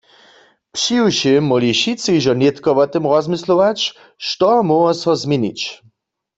Přiwšěm móhli wšitcy hižo nětko wo tym rozmyslować, što móhło so změnić.